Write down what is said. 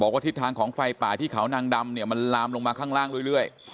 ว่าทิศทางของไฟป่าที่เขานางดำเนี่ยมันลามลงมาข้างล่างเรื่อย